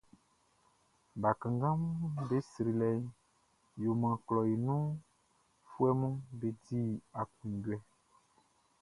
Bakannganʼm be srilɛʼn yo maan klɔʼn i nunfuɛʼm be di aklunjuɛ.